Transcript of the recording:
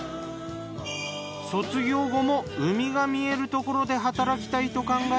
卒業後も海が見えるところで働きたいと考え